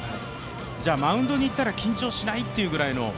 じゃあ、マウンドに行ったら緊張しないというぐらいの。